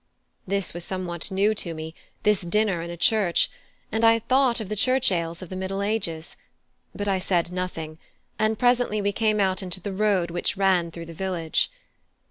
This was somewhat new to me, this dinner in a church, and I thought of the church ales of the Middle Ages; but I said nothing, and presently we came out into the road which ran through the village.